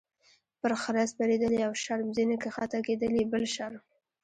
- پر خره سپرېدل یو شرم، ځینې کښته کېدل یې بل شرم.